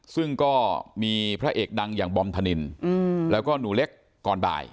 ซึ่งก็มีพระเอกดังอย่างบอมธนินแล้วก็หนูเล็กก่อนบ่าย